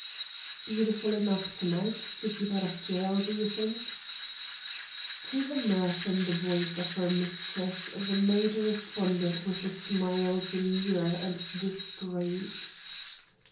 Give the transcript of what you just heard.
"Beautiful enough to night, to keep out of jail, do you think?" To the mirth in the voice of her mistress the maid responded with a smile demure and discreet.